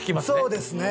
そうですね。